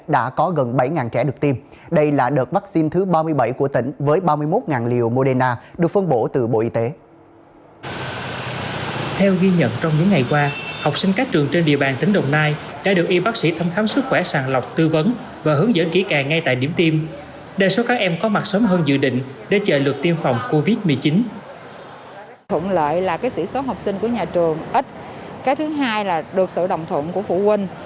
đã được y bác sĩ thăm khám sức khỏe sàng lọc tư vấn